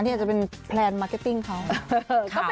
อันนี้ก็จะเป็นแพลนมาสเกตติ้งเข้า